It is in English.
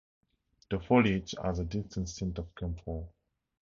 The foliage has a distinct scent of camphor.